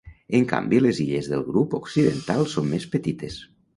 En canvi, les illes del grup occidental són més petites.